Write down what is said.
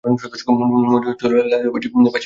মনে হইতে লাগিল বাঁচিয়া কোনো সুখ নাই।